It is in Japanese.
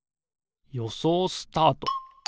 よそうスタート。